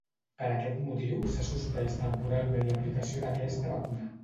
Per aquest motiu, s'ha suspès temporalment l'aplicació d'aquesta vacuna.